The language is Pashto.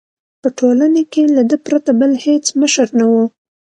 په ټولنه کې له ده پرته بل هېڅ مشر نه وو.